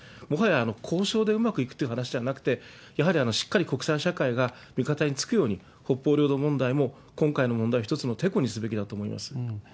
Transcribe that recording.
もはや交渉でうまくいくという話じゃなくて、やはりしっかり国際社会が味方につくように、北方領土問題も今回の問題を一つのてこにすべきだと思います。